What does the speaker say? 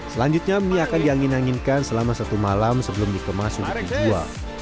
selanjutnya mie akan diangin anginkan selama satu malam sebelum dikemas untuk dijual